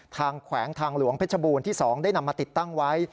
แขวงทางหลวงเพชรบูรณ์ที่๒ได้นำมาติดตั้งไว้